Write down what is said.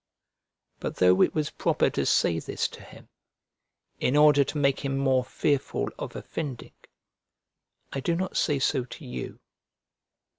But though it was proper to say this to him, in order to make him more fearful of offending, I do not say so to you.